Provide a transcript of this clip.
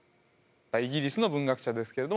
イギリスの文学者ですけれども。